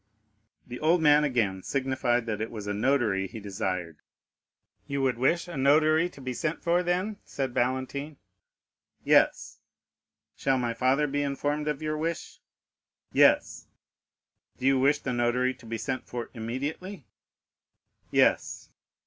The old man again signified that it was a notary he desired. "You would wish a notary to be sent for then?" said Valentine. "Yes." "Shall my father be informed of your wish?" "Yes." "Do you wish the notary to be sent for immediately?" "Yes."